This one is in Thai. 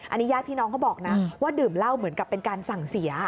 อันนี้ญาติพี่น้องเขาบอกนะว่าดื่มเหล้าเหมือนกับเป็นการสั่งเสีย